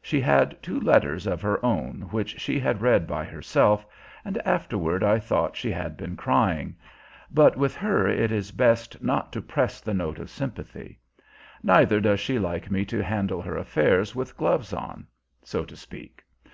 She had two letters of her own which she had read by herself, and afterward I thought she had been crying; but with her it is best not to press the note of sympathy. Neither does she like me to handle her affairs with gloves on, so to speak.